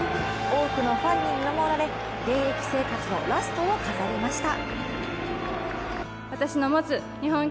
多くのファンに見守られ現役生活のラストを飾りました。